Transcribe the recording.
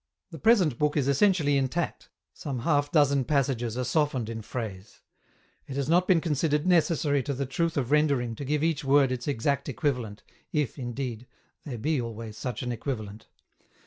The present book is essentially intact, some half dozen passages are softened in phrase ; it has not been considered necessary to the truth of rendering to give each word its exact equivalent, if, indeed, there be always such an equivalent.